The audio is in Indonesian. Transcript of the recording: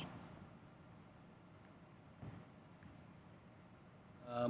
membantu menghadirkan menteri untuk bersaksi kurang tepat